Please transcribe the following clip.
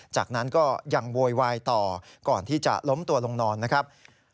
จากนั้นก็ยังโวยวายต่อก่อนที่จะล้มตัวลงนอนนะครับ